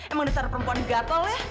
emang ini tuh sepuluh perempuan gangelnya